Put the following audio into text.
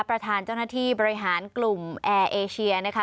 ประธานเจ้าหน้าที่บริหารกลุ่มแอร์เอเชียนะคะ